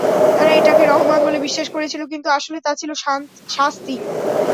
তারা এটাকে রহমত বলে বিশ্বাস করেছিল, কিন্তু আসলে তা ছিল শাস্তি।